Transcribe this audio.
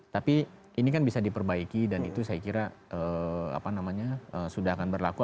tapi ini kan bisa diperbaiki dan itu saya kira sudah akan berlaku